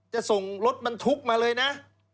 จะส่งรถบรรทุกมาเลยนะ